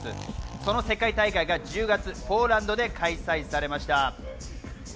その世界大会が１０月、ポーランドで開催されました。